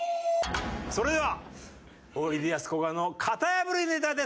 それではおいでやすこがの型破りネタです。